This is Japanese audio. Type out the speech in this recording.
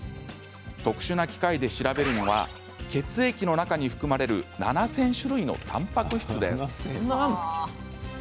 特殊な機械で調べるのは血液の中に含まれる７０００種類のたんぱく質です。